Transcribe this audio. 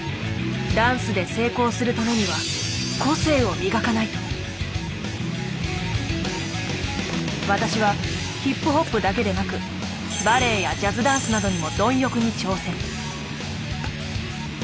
ダンスで成功するためには私はヒップホップだけでなくバレエやジャズダンスなどにも貪欲に挑戦。